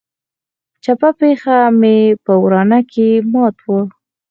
چپه پښه مې په ورانه کښې ماته وه.